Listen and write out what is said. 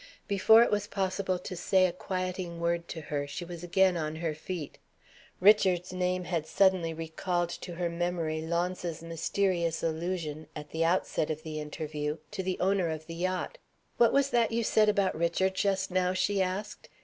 Before it was possible to say a quieting word to her, she was again on her feet. Richard's name had suddenly recalled to her memory Launce's mysterious allusion, at the outset of the interview, to the owner of the yacht. "What was that you said about Richard just now?" she asked.